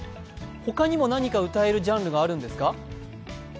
他にも何か歌えるジャンルがあるんですか？